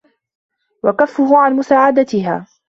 وَكَفُّهُ عَنْ مُسَاعَدَتِهَا